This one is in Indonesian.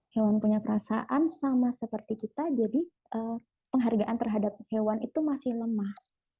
hewan punya perasaan sama seperti kita jadi penghargaan terhadap hewan itu masih lemah